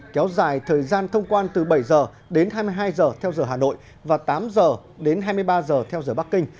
kéo dài thời gian thông quan từ bảy h đến hai mươi hai h theo giờ hà nội và tám h đến hai mươi ba giờ theo giờ bắc kinh